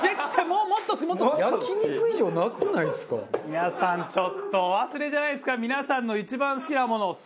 皆さんちょっとお忘れじゃないですか？